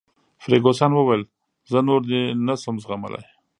فرګوسن وویل: زه نور دی نه شم زغملای.